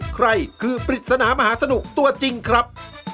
ใครคือปริศนามหาสนุกตัวจริงครับ